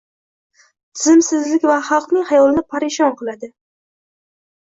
Tizimsizlik esa xalqning xayolini parishon qiladi